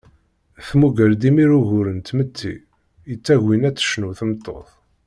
Tmugger-d imir ugur n tmetti, yettagin ad tecnu tmeṭṭut.